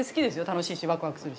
楽しいしワクワクするし。